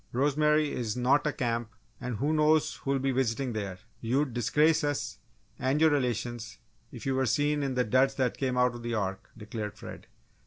Rosemary is not a camp and who knows who'll be visiting there? You'd disgrace us and your relations if you were seen in the duds that came out of the 'Ark'!" declared Fred.